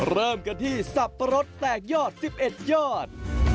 เริ่มกันที่สับปะรดแตกยอด๑๑ยอด